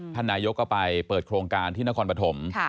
ท่านนายกก็ไปเปิดโครงการที่นครปฐม